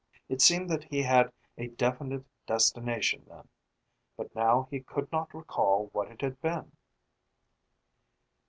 It seemed that he had a definite destination then, but now he could not recall what it had been.